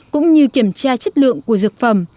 cũng như kiểm tra chất lượng của dược phẩm